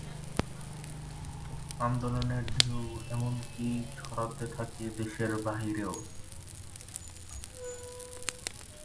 আন্দোলনের ঢেউ এমনকি ছড়াতে থাকে দেশের বাইরেও।